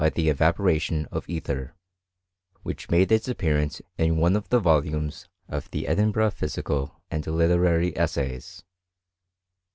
he evaporation of ether, which made its appearance 'n one of the volumes of the Edinburgh Physical and Literary Essays.